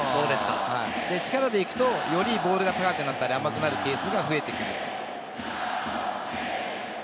力でいくと、よりボールが高くなったり甘くなるケースが増えてくる。